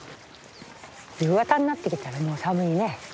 夕方になってきたらもう寒いね。